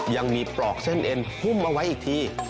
ยังมีปลอกเส้นเอ็นหุ้มเอาไว้อีกที